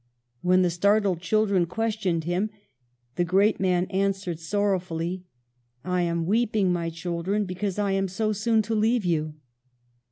When the startled children questioned him, the great man answered sorrowfully: ^'I am weeping, my children, because I am so soon to leave you."